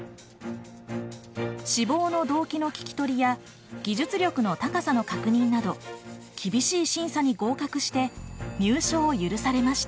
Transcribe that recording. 志望の動機の聞き取りや技術力の高さの確認など厳しい審査に合格して入所を許されました。